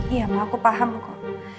iya mau aku paham kok